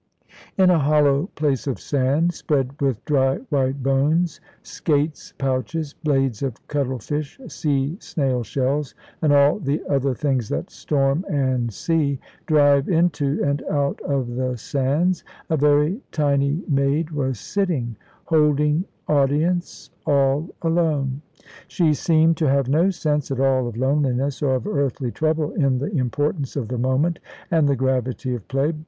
In a hollow place of sand, spread with dry white bones, skates' pouches, blades of cuttle fish, sea snail shells, and all the other things that storm and sea drive into and out of the sands, a very tiny maid was sitting, holding audience all alone. She seemed to have no sense at all of loneliness or of earthly trouble in the importance of the moment and the gravity of play.